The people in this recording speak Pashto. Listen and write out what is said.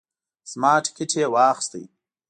زما ټیکټ یې واخیست.